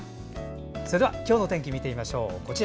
それでは今日の天気見てみましょう。